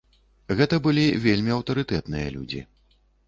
Гэта былі вельмі аўтарытэтныя людзі.